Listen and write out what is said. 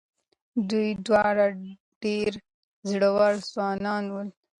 دوی دواړه ډېر زړور ځوانان ول.